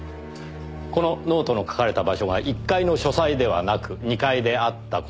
このノートの書かれた場所が１階の書斎ではなく２階であった事。